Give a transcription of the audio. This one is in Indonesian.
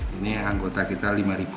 ini anggota kita lima